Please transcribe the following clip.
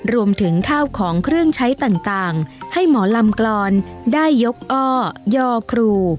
รวมถึงข้าวของเครื่องใช้ต่างให้หมอลำกรอนได้ยกอ้อยอครู